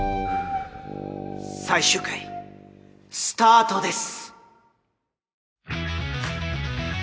最終回スタートです。